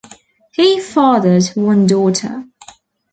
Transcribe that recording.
He fathered one daughter.